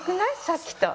さっきと。